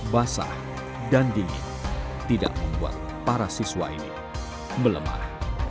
basah dan dingin tidak membuat para siswa ini melemah